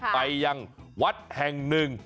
ไปยังวัดแห่งหนึ่ง